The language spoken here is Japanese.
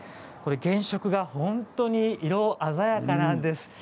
原色が本当に色鮮やかなんです。